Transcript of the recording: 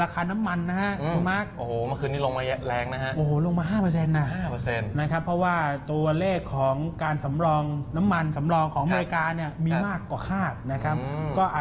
ก็จะเป็นอย่างนี้ตลอดนะฮะ